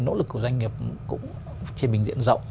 nỗ lực của doanh nghiệp cũng trên bình diện rộng